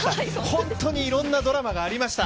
本当にいろんなドラマがありました